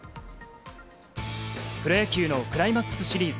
プロ野球のクライマックスシリーズ。